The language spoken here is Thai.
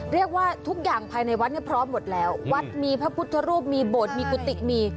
ทุกอย่างภายในวัดเนี่ยพร้อมหมดแล้ววัดมีพระพุทธรูปมีโบสถ์มีกุฏิมี